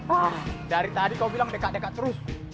ah dari tadi kau bilang deket deket terus